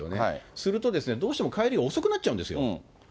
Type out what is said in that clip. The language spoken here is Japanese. すると、どうしても帰りが遅くなっちゃうんですよ。